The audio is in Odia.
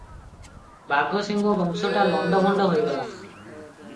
ବାଘସିଂହ ବଂଶଟା ଲଣ୍ତଭଣ୍ତ ହୋଇଗଲା ।